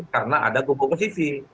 karena ada gugupan sisi